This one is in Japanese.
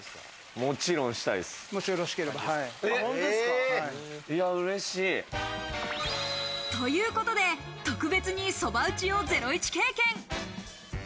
もしよろしければ。ということで、特別に、そば打ちをゼロイチ経験。